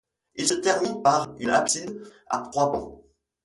Il se termine par une abside à trois pans.